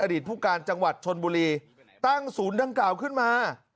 ผู้การจังหวัดชนบุรีตั้งศูนย์ดังกล่าวขึ้นมา